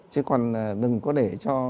chứ còn đừng có để cho